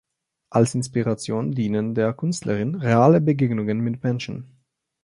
Als Inspiration dienen der Künstlerin reale Begegnungen mit Menschen.